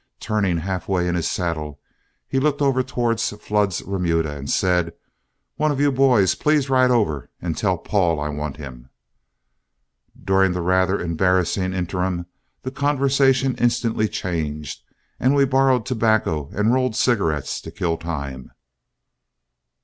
Turning halfway in his saddle, he looked over towards Flood's remuda and said: "One of you boys please ride over and tell Paul I want him." During the rather embarrassing interim, the conversation instantly changed, and we borrowed tobacco and rolled cigarettes to kill time.